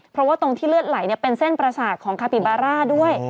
เพราะว่าตรงที่เลือดไหลเป็นเส้นประสาทของคาปิบาร่าด้วย